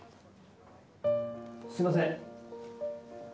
すみません。